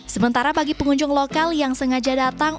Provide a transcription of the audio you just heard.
sementara bagi pengunjung lokal yang sengaja datang